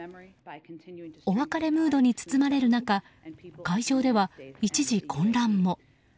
お別れムードに包まれる中会場では一時、混乱も。